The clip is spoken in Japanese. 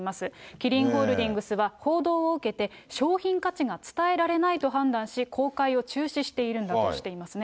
キリンホールディングスは、報道を受けて、商品価値が伝えられないと判断し、公開を中止しているんだとしていますね。